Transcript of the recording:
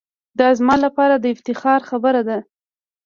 دا زما لپاره دافتخار خبره ده.